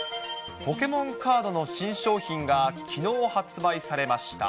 ポケモンカードの新商品がきのう発売されました。